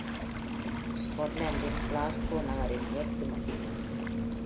ஸ்காட்லாந்தின் Glasgow நகரின் மேற்கு முனை.